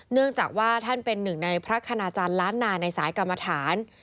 เนื่องจากว่าท่านเป็นหนึ่งในพระคณาจารย์ล้านนาในสายกรรมฐาน